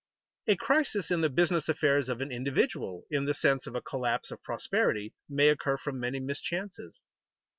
A crisis in the business affairs of an individual, in the sense of a collapse of prosperity, may occur from many mischances.